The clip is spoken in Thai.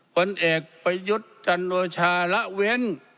คนเอกไปยุทธ์จันโดชาระเว้น